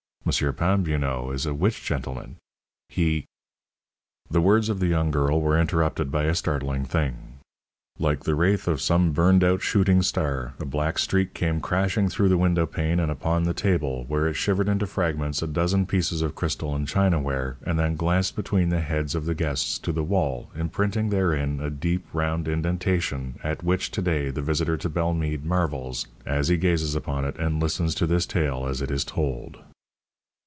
Monsieur Pambe, you know, is a witch gentleman; he " The words of the young girl were interrupted by a startling thing. Like the wraith of some burned out shooting star, a black streak came crashing through the window pane and upon the table, where it shivered into fragments a dozen pieces of crystal and china ware, and then glanced between the heads of the guests to the wall, imprinting therein a deep, round indentation, at which, to day, the visitor to Bellemeade marvels as he gazes upon it and listens to this tale as it is told.